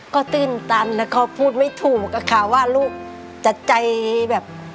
ก็ตื้นตันแล้วเขาพูดไม่ถูกอะค่ะว่าลูกจะใจแบบ